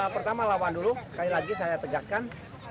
pertama lawan dulu sekali lagi saya tegaskan